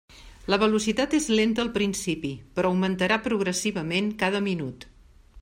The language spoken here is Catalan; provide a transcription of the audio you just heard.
La velocitat és lenta al principi, però augmentarà progressivament cada minut.